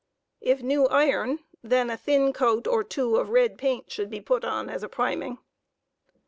If new iron, then a thin coat or two of red paint should be put on as a priming.